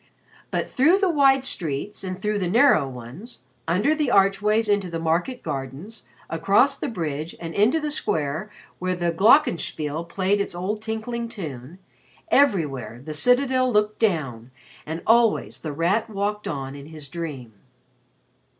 But through the wide streets and through the narrow ones, under the archways into the market gardens, across the bridge and into the square where the "glockenspiel" played its old tinkling tune, everywhere the Citadel looked down and always The Rat walked on in his dream.